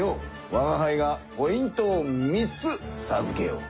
わがはいがポイントを３つさずけよう。